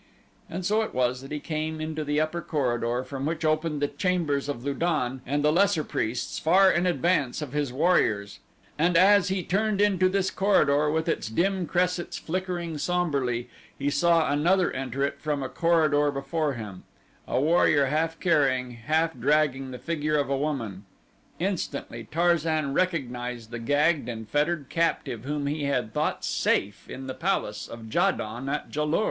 And so it was that he came into the upper corridor from which opened the chambers of Lu don and the lesser priests far in advance of his warriors, and as he turned into this corridor with its dim cressets flickering somberly, he saw another enter it from a corridor before him a warrior half carrying, half dragging the figure of a woman. Instantly Tarzan recognized the gagged and fettered captive whom he had thought safe in the palace of Ja don at Ja lur.